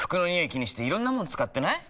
気にしていろんなもの使ってない？